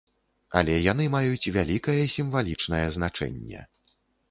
Але яны маюць вялікае сімвалічнае значэнне.